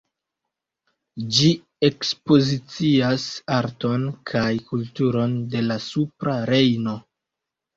Ĝi ekspozicias arton kaj kulturon de la Supra Rejno.